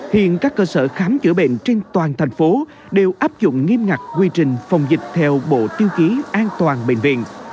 hiện các cơ sở khám chữa bệnh trên toàn thành phố đều áp dụng nghiêm ngặt quy trình phòng dịch theo bộ tiêu chí an toàn bệnh viện